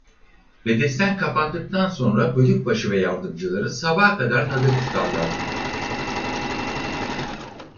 Bedesten kapandıktan sonra bölükbaşı ve yardımcıları sabaha kadar nöbet tutarlardı.